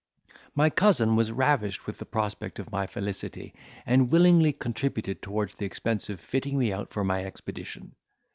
My cousin was ravished with the prospect of my felicity, and willingly contributed towards the expense of fitting me out for my expedition.